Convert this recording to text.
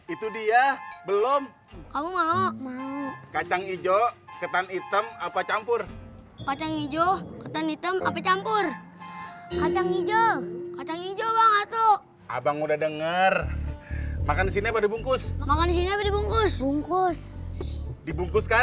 itu dia belum kamu kacang hijau ketan hitam apa campur kacang hijau ketan hitam api campur kacang hijau kacang hijau banget tuh abang udah denger makan di sini pada bungkus makan isinya dibungkus bungkus dibungkuskan